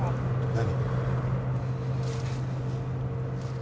何？